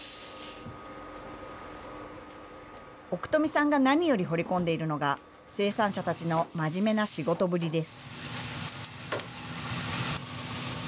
奥富さんが何よりほれ込んでいるのが、生産者たちの真面目な仕事ぶりです。